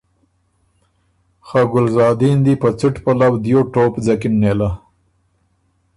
خه ګلزادین دی په څُټ پلؤ دیو ټوپ ځکِن نېله۔